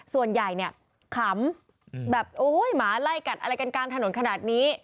ส่วนใหญ่เนี่ยขำแบบโอ้ยหมาไล่กัดอะไรกันกลางถนนขนาดนี้